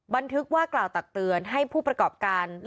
บันทึกว่ากล่าวตักเตือนให้ผู้ประกอบการ